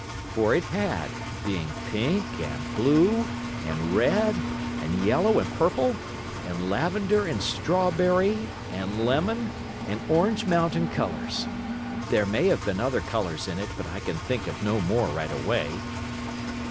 For it had, being pink and blue and red and yellow and purple and lavender and strawberry and lemon and Orange Mountain colors. There may have been other colors in it, but I can think of no more right away.